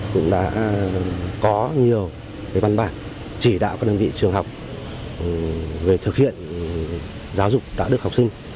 cũng đã có nhiều văn bản chỉ đạo các đơn vị trường học về thực hiện giáo dục đạo đức học sinh